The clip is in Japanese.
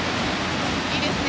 いいですね。